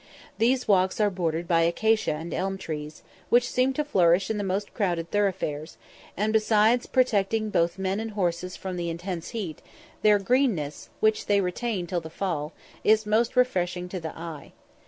These walks are bordered by acacia and elm trees, which seem to flourish in the most crowded thoroughfares, and, besides protecting both men and horses from the intense heat, their greenness, which they retain till the fall, is most refreshing to the eye.